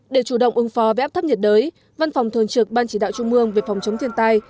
để chủ động ưng phò về áp thấp nhiệt đới văn phòng thường trực ban chỉ đạo trung mương về phòng chống thiên tai